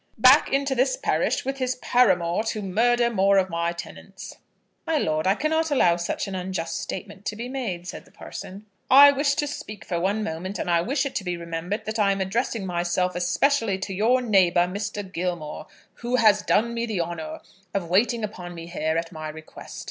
"Back into this parish, with his paramour, to murder more of my tenants." "My lord, I cannot allow such an unjust statement to be made," said the parson. "I wish to speak for one moment; and I wish it to be remembered that I am addressing myself especially to your neighbour, Mr. Gilmore, who has done me the honour of waiting upon me here at my request.